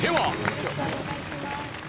よろしくお願いします。